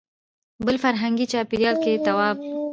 بل فرهنګي چاپېریال کې صواب وي.